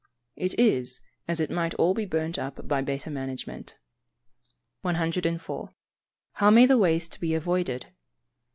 _ It is, as it might all be burnt up by better management. 104. _How may the waste be avoided?